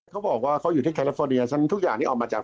คือว่าเราไม่ต้องการให้บังแจ๊ก